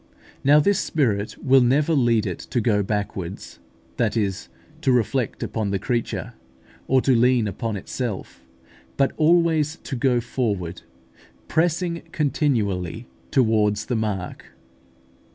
Now this Spirit will never lead it to go backwards, that is, to reflect upon the creature, or to lean upon itself, but always to go forward, pressing continually towards the mark.